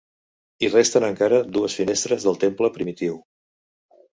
Hi resten encara dues finestres del temple primitiu.